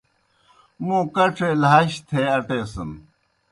موں کڇے لھاشیْ تھے اٹیسِن۔